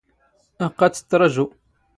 ⴰⵇⵇⴰ ⵜⵜ ⵜⴻⵜⵜⵕⴰⵊⵓ.